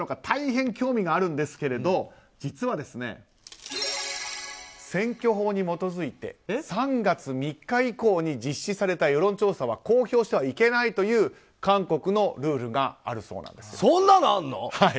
大変興味があるんですが実は選挙法に基づいて３月３日以降に実施された世論調査は公表してはいけないというそんなのあるの？